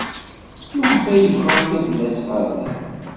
Maɣef ay aɣ-bɣant ad d-nas ɣer da?